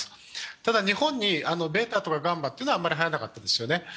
ただ日本にベータとかガンマはあまりはやらなかったですよね。